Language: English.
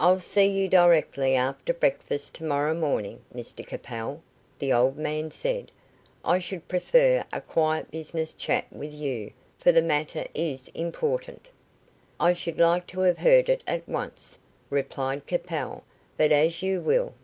"I'll see you directly after breakfast to morrow morning, Mr Capel," the old man said. "I should prefer a quiet business chat with you, for the matter is important." "I should like to have heard it at once," replied Capel, "but as you will."